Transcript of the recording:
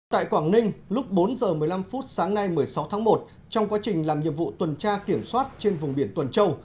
tại quảng ninh lúc bốn h một mươi năm phút sáng nay một mươi sáu tháng một trong quá trình làm nhiệm vụ tuần tra kiểm soát trên vùng biển tuần châu